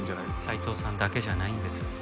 斉藤さんだけじゃないんです。